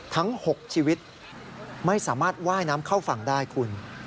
ทั้ง๖ชีวิตไม่สามารถว่ายน้ำเข้าฝั่งได้คุณ